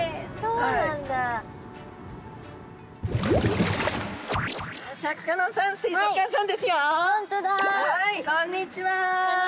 はいこんにちは！